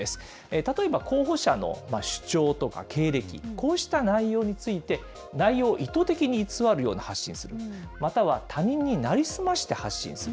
例えば、候補者の主張とか経歴、こうした内容について、内容を意図的に偽るような発信をする、または他人に成り済まして発信する。